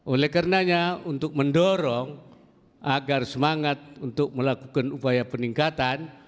oleh karenanya untuk mendorong agar semangat untuk melakukan upaya peningkatan